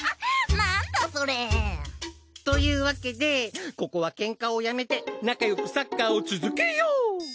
なんだそれ！というわけでここはケンカをやめて仲よくサッカーを続けよう！